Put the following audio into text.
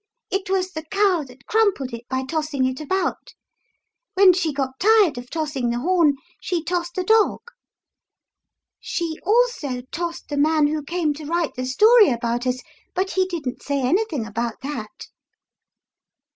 It was the cow that crumpled it by tossing it about. When she got tired of tossing the horn, she tossed the dog. She also tossed the man who came to write the story about us, but he didn't say anything about that."